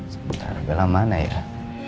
sebenarnya bella mana ya